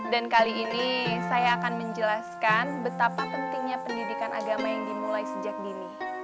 dan kali ini saya akan menjelaskan betapa pentingnya pendidikan agama yang dimulai sejak dini